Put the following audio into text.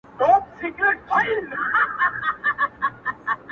تر ابده له دې ښاره سو بېزاره.!